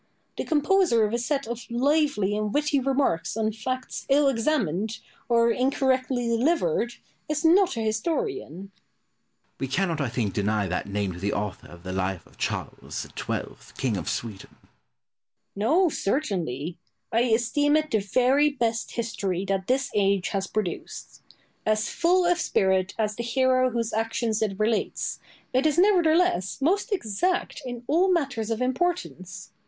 The composer of a set of lively and witty remarks on facts ill examined, or incorrectly delivered, is not an historian. Pope. We cannot, I think, deny that name to the author of the "Life of Charles XII., King of Sweden." Boileau. No, certainly. I esteem it the very best history that this age has produced. As full of spirit as the hero whose actions it relates, it is nevertheless most exact in all matters of importance.